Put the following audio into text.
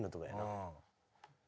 うん。